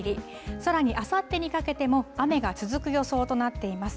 さらにあさってにかけても雨が続く予想となっています。